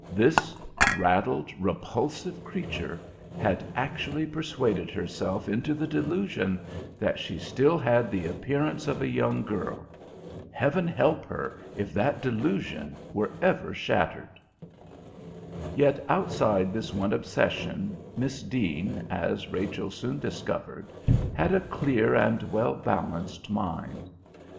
This raddled, repulsive creature had actually persuaded herself into the delusion that she still had the appearance of a young girl. Heaven help her if that delusion were ever shattered! Yet outside this one obsession Miss Deane, as Rachel soon discovered, had a clear and well balanced mind.